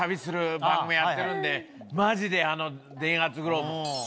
マジであの電熱グローブ。